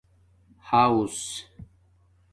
حݸس